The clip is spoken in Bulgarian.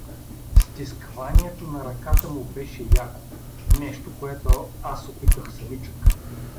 Стискванието на ръката му беше яко, нещо, което аз опитах самичък.